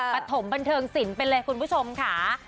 ประถมบันเทิงสินเป็นเลยคุณผู้ชมค่ะ